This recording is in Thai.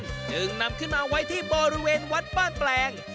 จึงนำขึ้นมาไว้ที่บริเวณวัดบ้านแปลง